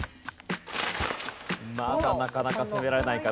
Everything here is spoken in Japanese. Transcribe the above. まだなかなか攻められないか？